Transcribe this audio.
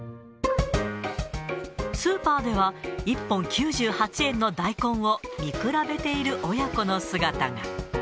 スーパーでは、１本９８円の大根を見比べている親子の姿が。